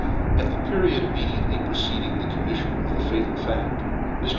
At the period immediately preceding the commifTion of the fatal fact, Mr.